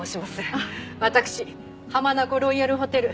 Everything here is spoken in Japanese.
わたくし浜名湖ロイヤルホテル